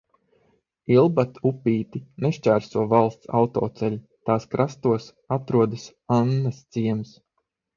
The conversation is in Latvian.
Ilbatupīti nešķērso valsts autoceļi, tās krastos atrodas Annasciems.